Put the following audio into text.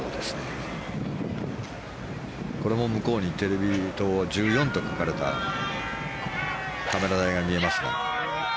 これも向こうにテレビ塔１４と書かれたカメラ台が見えますが。